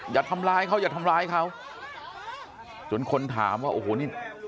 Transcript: อย่าทำร้ายเขาอย่าทำร้ายเขาจนคนถามว่าโอ้โหนี่